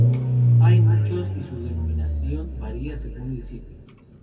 Hay muchos y su denominación varia según el sitio.